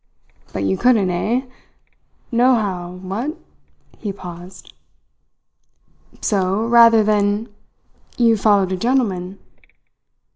But you couldn't, eh? Nohow what?" He paused. "So, rather than you followed a gentleman?"